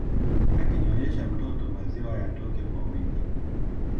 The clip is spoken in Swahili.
Akinyonyesha mtoto maziwa yatoke kwa wingi